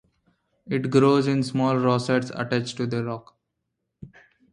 It grows in small rosettes attached to rock.